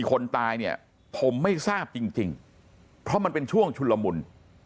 คนตายเนี่ยผมไม่ทราบจริงเพราะมันเป็นช่วงชุนละมุน